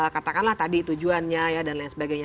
katakanlah tadi tujuannya ya dan lain sebagainya